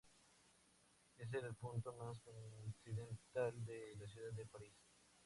Es el punto más occidental de la ciudad de Paris.